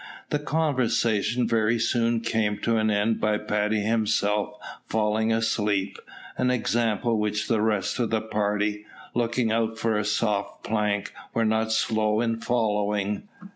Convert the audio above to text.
The conversation very soon came to an end by Paddy himself falling asleep, an example which the rest of the party, looking out for a soft plank, were not slow in following.